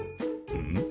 うん。